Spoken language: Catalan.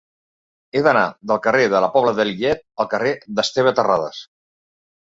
He d'anar del carrer de la Pobla de Lillet al carrer d'Esteve Terradas.